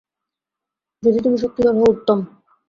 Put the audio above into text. যদি তুমি শক্তিধর হও, উত্তম।